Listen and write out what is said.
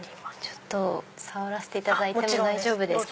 ちょっと触らせていただいても大丈夫ですか。